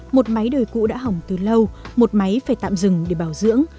một máy đời cũ đã hỏng từ lâu một máy phải tạm dừng để bảo dưỡng